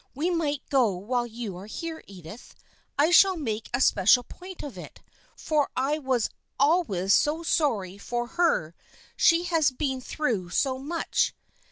We might go while you are here, Edith. I shall make a special point of it, for I was always so sorry for her. She has been through so much."